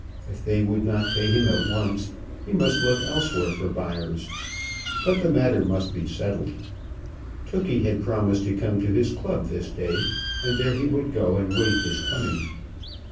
If they would not pay him at once, he must look elsewhere for buyers; but the matter must be settled. Tookey had promised to come to his club this day, and there he would go and await his coming.